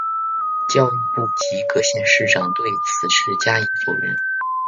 教育部及各县市长对此事加以否认。